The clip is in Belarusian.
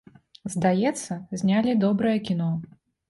Здаецца, знялі добрае кіно.